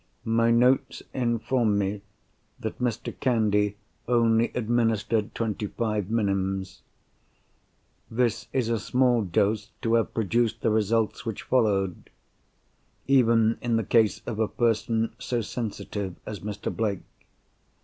My notes inform me that Mr. Candy only administered twenty five minims. This is a small dose to have produced the results which followed—even in the case of a person so sensitive as Mr. Blake.